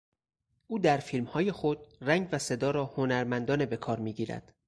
او در فیلمهای خود رنگ و صدا را هنرمندانه به کار میگیرد.